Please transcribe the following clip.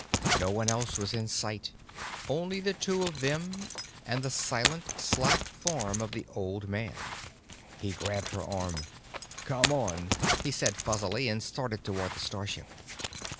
No one else was in sight, only the two of them and the silent, slack form of the old man. He grabbed her arm. "Come on," he said fuzzily, and started toward the starship.